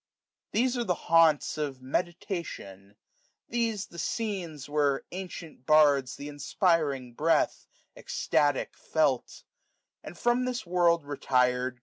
These are the haunts of Meditation ; these The scenes where ancient bards th* inspiring breath, Eztatic, felt ; and, from this world retir'd.